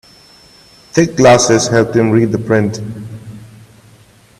Thick glasses helped him read the print.